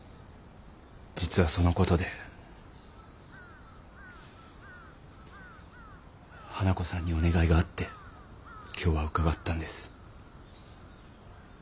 実はその事で花子さんにお願いがあって今日は伺ったんです。